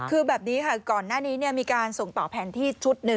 คือแบบนี้ค่ะก่อนหน้านี้มีการส่งต่อแผนที่ชุดหนึ่ง